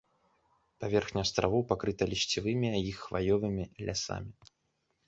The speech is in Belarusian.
Паверхня астравоў пакрыта лісцевымі і хваёвымі лясамі.